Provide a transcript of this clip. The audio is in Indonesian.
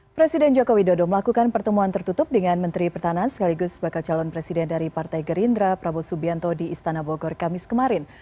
presiden jokowi dodo melakukan pertemuan tertutup dengan menteri pertahanan sekaligus bakal calon presiden dari partai gerindra prabowo subianto di istana bogor kamis kemarin